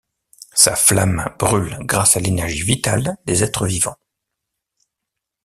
Sa flamme brûle grâce à l'énergie vitale des êtres vivants.